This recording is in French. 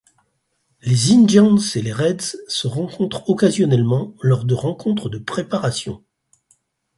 Les Indians et les Reds se rencontrent occasionnellement lors de rencontres de préparation.